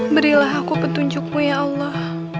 berilah aku petunjukmu ya allah